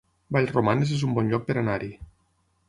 Vallromanes es un bon lloc per anar-hi